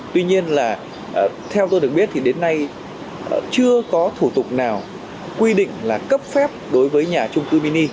tuy nhiên là theo tôi được biết thì đến nay chưa có thủ tục nào quy định là cấp phép đối với nhà trung cư mini